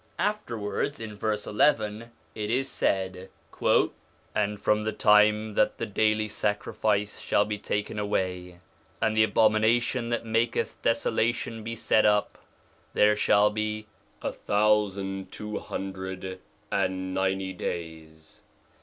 Afterwards, in verse 11, it is said: 'And from the time that the daily sacrifice shall be taken away, and the abomination that maketh desolation be set up, there shall be a thousand two hundred and ninety days.